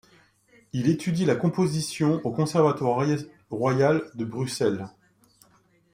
Il étudie la composition au conservatoire royal de Bruxelles.